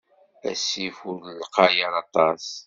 Asif-a ur lqay ara aṭas.